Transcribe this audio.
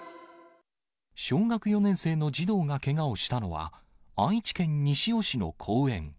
小学４年生の児童がけがをしたのは、愛知県西尾市の公園。